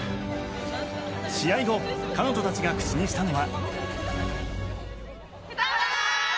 試合後彼女たちが口にしたのは。